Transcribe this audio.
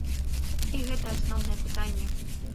І гэта асноўнае пытанне.